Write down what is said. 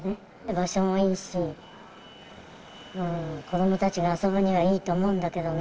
場所もいいし、子どもたちが遊ぶにはいいと思うんだけどね。